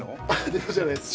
電動じゃないです！